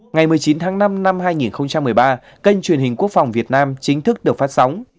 ngày một mươi chín tháng năm năm hai nghìn một mươi ba kênh truyền hình quốc phòng việt nam chính thức được phát sóng